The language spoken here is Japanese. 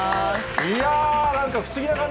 いやー、なんか不思議な感じ